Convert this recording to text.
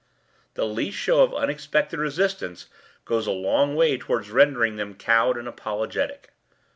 The least show of unexpected resistance goes a long way towards rendering them cowed and apologetic.